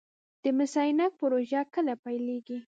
د مس عینک پروژه کله پیلیږي؟